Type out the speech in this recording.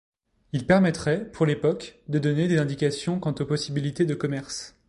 Il permettrait, pour l'époque, de donner des indications quant aux possibilités de commerce.